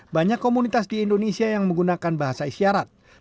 banyak komunitas di indonesia yang menggunakan bahasa isyarat